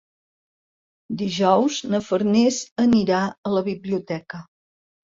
Dijous na Farners anirà a la biblioteca.